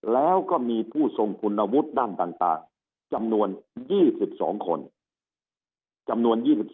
แล้วก็มีผู้ทรงคุณวุฒิด้านต่างจำนวน๒๒คน